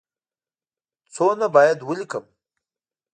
څومره باید ولیکم؟